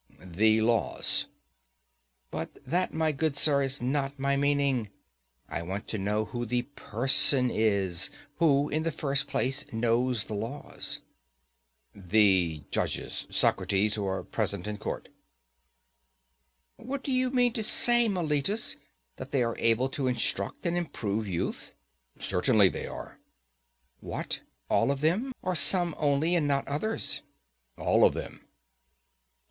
The laws. But that, my good sir, is not my meaning. I want to know who the person is, who, in the first place, knows the laws. The judges, Socrates, who are present in court. What, do you mean to say, Meletus, that they are able to instruct and improve youth? Certainly they are. What, all of them, or some only and not others? All of them.